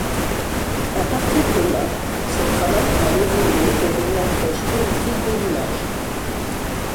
A partir de là, son travail a évolué vers une approche politique de l’image.